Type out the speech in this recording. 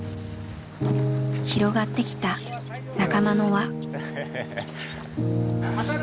広がってきた仲間の輪。